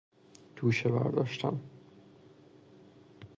توشه برداشتن